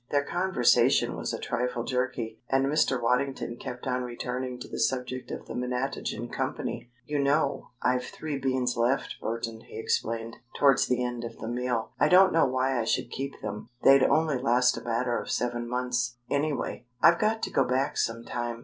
Their conversation was a trifle jerky and Mr. Waddington kept on returning to the subject of the Menatogen Company. "You know, I've three beans left, Burton," he explained, towards the end of the meal. "I don't know why I should keep them. They'd only last a matter of seven months, anyway. I've got to go back sometime.